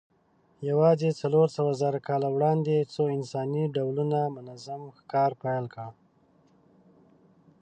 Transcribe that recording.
یواځې څلورسوهزره کاله وړاندې څو انساني ډولونو منظم ښکار پیل کړ.